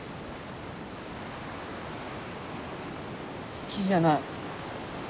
好きじゃない。